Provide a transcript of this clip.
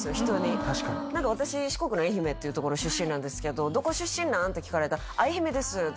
人に何か私四国の愛媛っていうところ出身なんですけど「どこ出身なん？」って聞かれて「あっ愛媛です」